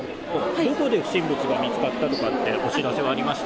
どこで不審物が見つかったとかって、お知らせはありました？